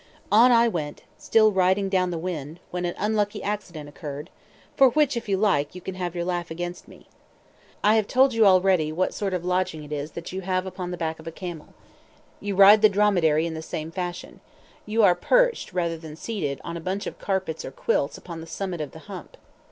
On I went, still riding down the wind, when an unlucky accident occurred, for which, if you like, you can have your laugh against me. I have told you already what sort of lodging it is that you have upon the back of a camel. You ride the dromedary in the same fashion; you are perched rather than seated on a bunch of carpets or quilts upon the summit of the hump.